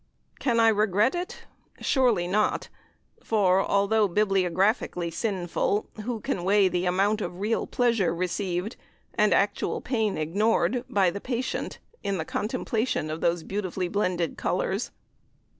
Can I regret it? surely not, for, although bibliographically sinful, who can weigh the amount of real pleasure received, and actual pain ignored, by the patient in the contemplation of those beautifully blended colours?